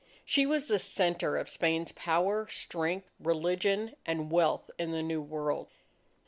She was the centre of Spain's power, strength, religion, and wealth in the New World.